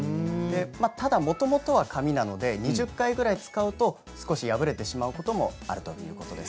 ただ、もともとは紙なので２０回ぐらい使うと、少し破れてしまうこともあるということです。